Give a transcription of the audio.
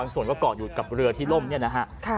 ส่วนก็เกาะอยู่กับเรือที่ล่มเนี่ยนะฮะ